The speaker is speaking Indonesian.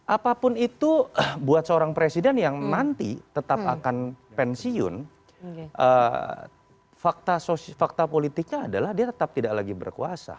apapun itu buat seorang presiden yang nanti tetap akan pensiun fakta politiknya adalah dia tetap tidak lagi berkuasa